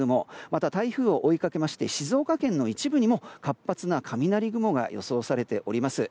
また台風を追いかけまして静岡県の一部にも活発な雷雲が予想されています。